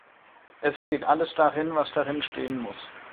Es steht alles darin, was darin stehen muss.